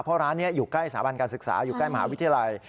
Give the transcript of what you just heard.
เพราะร้านนี้อยู่ใกล้สถาบันการศึกษาอยู่ใกล้มหาวิทยาลัย